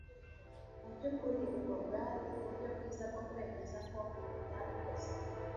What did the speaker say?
Mubyukuri, ubwo bwari uburyo bwiza bwo kwemeza ko atabikoze